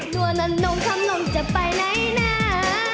นั่วนั่นนมคำนมจะไปไหนน่า